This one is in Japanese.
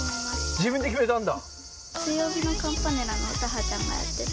自分で決めたんだ。